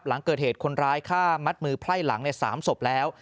หลังเกิดเหตุคนร้ายฆ่ามัดมือไพร่หลัง๓ศพแล้ว